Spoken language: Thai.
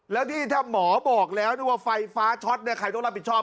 แล้วที่ถ้าหมอบอกแล้วว่าไฟฟ้าช็อตใครต้องรับผิดชอบ